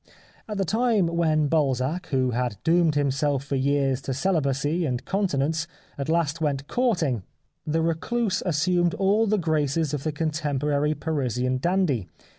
At the time when Balzac, who had doomed himself for years to celibacy and con tinence, at last went courting, the recluse as sumed all the graces of the contemporary Parisian dandy.